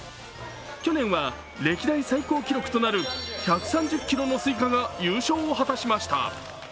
去年は歴代最高記録となる１３０ｋｇのスイカが優勝を果たしました。